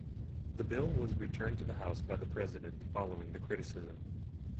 The Bill was returned to the House by the President following the criticism.